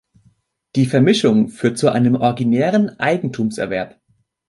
Die Vermischung führt zu einem originären Eigentumserwerb.